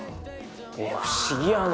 不思議やな。